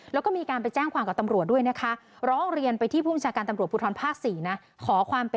แล้วก็มีการไปแจ้งความกับตำรวจด้วยนะคะ